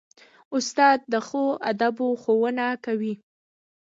استاد د ښو آدابو ښوونه کوي.